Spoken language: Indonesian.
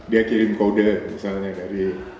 dia kirim kode misalnya dari